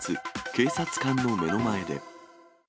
警察官の目の前で。